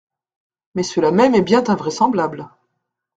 Mais cela même est bien invraisemblable.